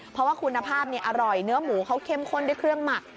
เพราะว่าคุณภาพอร่อยเนื้อหมูเขาเข้มข้นด้วยเครื่องหมัก